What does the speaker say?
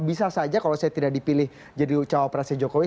bisa saja kalau saya tidak dipilih jadi cawapresnya jokowi